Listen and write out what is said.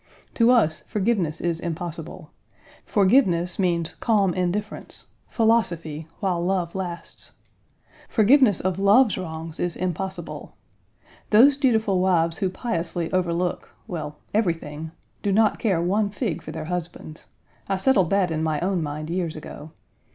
To us forgiveness is impossible. Forgiveness means calm indifference; philosophy, while love lasts. Forgiveness of love's wrongs is impossible. Those dutiful wives who piously overlook well, everything do not care one fig for their husbands. I settled that in my own mind years ago.